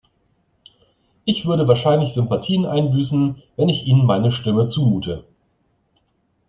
Ich würde wahrscheinlich Sympathien einbüßen, wenn ich Ihnen meine Stimme zumute.